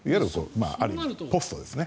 ある意味ポストですね。